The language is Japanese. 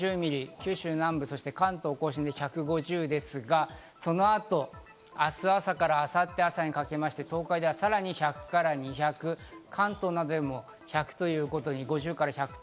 九州南部、そして関東甲信で１５０ミリですが、そのあと明日朝から明後日朝にかけまして、東海ではさらに１００から２００、関東などでも１００ということです。